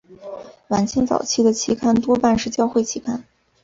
晚清早期的期刊多半是教会期刊。